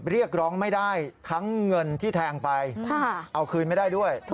เรียกร้องไม่ได้ทั้งเงินที่แทงไปเอาคืนไม่ได้ด้วย